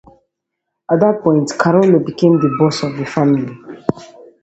At that point Carollo became the boss of the family.